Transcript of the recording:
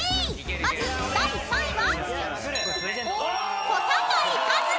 ［まず第３位は］